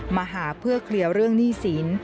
มาหาเพื่อเคลียร์เรื่องหนี้สิน